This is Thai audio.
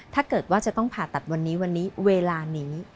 ถ้าเกิดว่าจะต้องผ่าตัดวันนี้วันนี้เวลานี้